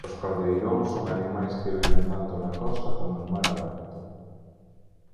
Os caldeiróns son animais que viven tanto na costa coma en mar aberto.